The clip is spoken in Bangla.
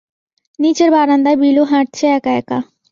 নিচের বারান্দায় বিলু হাঁটছে একা-একা।